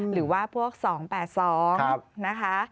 หรือว่าพวก๒๘๒นะคะ